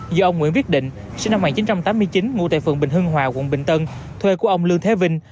do ông nguyễn viết định sinh năm một nghìn chín trăm tám mươi chín ngụ tại phường bình hưng hòa quận bình tân thuê của ông lương thế vinh